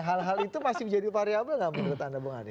hal hal itu masih menjadi variable nggak menurut anda bung adi